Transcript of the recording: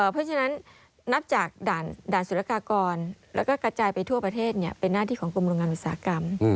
เพราะฉะนั้นนับจากด่านสุรกากรแล้วก็กระจายไปทั่วประเทศเป็นหน้าที่ของกรมโรงงานอุตสาหกรรม